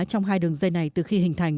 trong hai đường dây này từ khi hình thành